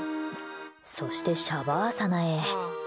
そして、シャバーサナへ。